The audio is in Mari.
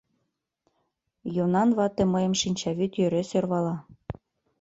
— Йонан вате мыйым шинчавӱд йӧре сӧрвала.